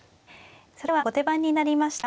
それでは後手番になりました